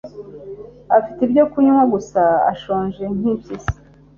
Afite ibyo kunywa gusa ashonje nk impyisi